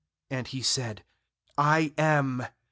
And he said: 'I am.'